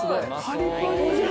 パリパリ。